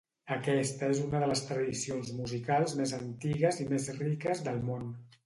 Aquesta és una de les tradicions musicals més antigues i més riques del món.